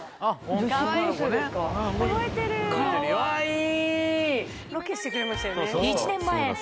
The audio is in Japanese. かわいい！